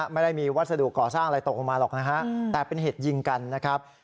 ไม่ได้มีวัสดุก่อสร้างอะไรตกลงมาหรอกนะฮะแต่เป็นเหตุยิงกันนะครับ